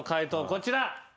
こちら。